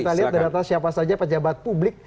kita lihat data data siapa saja pejabat publik